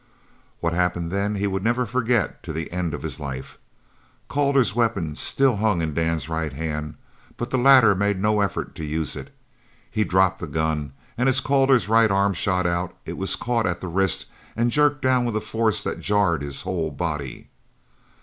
What happened then he would never forget to the end of his life. Calder's weapon still hung in Dan's right hand, but the latter made no effort to use it. He dropped the gun, and as Calder's right arm shot out, it was caught at the wrist, and jerked down with a force that jarred his whole body.